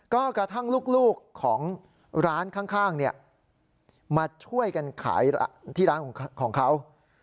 ก็กระทั่งลูกของร้านข้างมาช่วยกันขายที่ร้านของเขา